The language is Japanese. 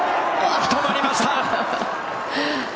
止まりました！